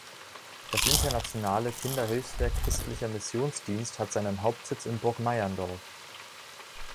Das Internationale Kinderhilfswerk Christlicher Missionsdienst hat seinen Hauptsitz in Burk-Meierndorf.